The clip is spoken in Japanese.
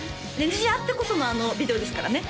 ＮＧあってこそのあのビデオですからね